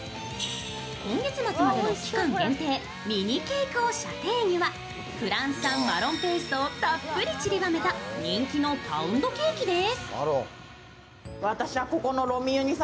今月までの期間限定、ミニ・ケイク・オ・シャテーニュはフランス産マロンペーストをたっぷりちりばめた人気のパウンドケーキです。